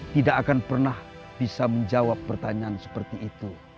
tidak akan pernah bisa menjawab pertanyaan seperti itu